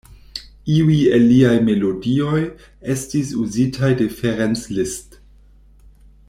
Iuj el liaj melodioj estis uzitaj de Ferenc Liszt.